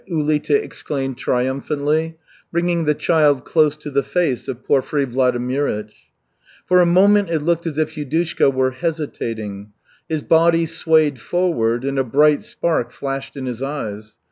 she exclaimed triumphantly, bringing the child close to the face of Porfiry Vladimirych. For a moment it looked as if Yudushka were hesitating. His body swayed forward and a bright spark flashed in his eyes.